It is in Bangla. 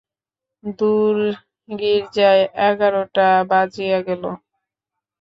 দূর গির্জায় এগারোটা বাজিয়া গেল।